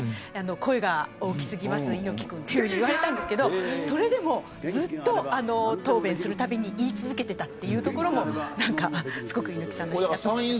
声が大き過ぎます、猪木君と言われたんですけどそれでもずっと答弁するたびに言い続けていたというところも猪木さんらしいと思います。